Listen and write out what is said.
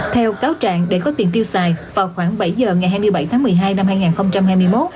theo cáo trạng để có tiền tiêu xài vào khoảng bảy giờ ngày hai mươi bảy tháng một mươi hai năm hai nghìn hai mươi một